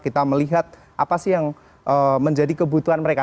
kita melihat apa sih yang menjadi kebutuhan mereka